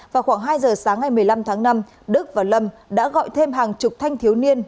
vào khoảng hai giờ sáng ngày một mươi năm tháng năm đức và lâm đã gọi thêm hàng chục thanh thiếu niên